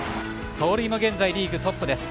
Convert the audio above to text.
盗塁も現在リーグトップです。